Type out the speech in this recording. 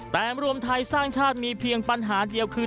แต่รวมไทยสร้างชาติมีเพียงปัญหาเดียวคือ